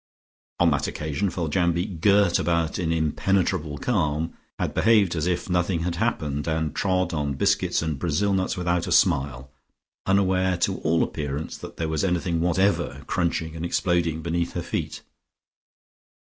On that occasion Foljambe, girt about in impenetrable calm, had behaved as if nothing had happened and trod on biscuits and Brazil nuts without a smile, unaware to all appearance that there was anything whatever crunching and exploding beneath her feet.